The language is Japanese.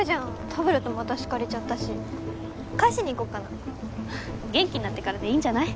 タブレットも私借りちゃったし返しに行こっかな元気になってからでいいんじゃない？